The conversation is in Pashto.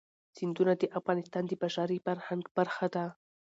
سیندونه د افغانستان د بشري فرهنګ برخه ده.